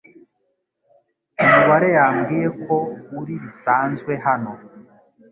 Umubari yambwiye ko uri bisanzwe hano.